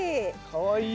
かわいい。